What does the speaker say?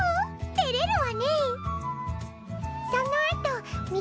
てれるわね。